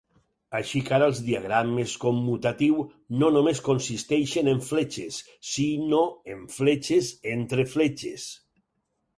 Així que ara els diagrames commutatiu no només consisteixen en fletxes, si no en fletxes entre fletxes.